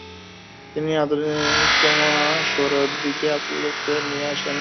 তিনি আধুনিকমনা সোহরাওয়ার্দীকে আলেপ্পোতে নিয়ে আসেন।